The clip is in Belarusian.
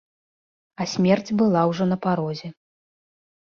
А смерць была ўжо на парозе.